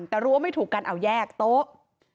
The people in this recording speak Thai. แต่รู้ว่าไม่ถูกกันเอาแยกโต๊ะ